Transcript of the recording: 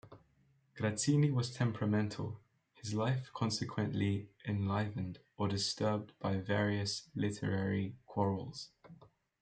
Grazzini was temperamental, his life consequently enlivened or disturbed by various literary quarrels.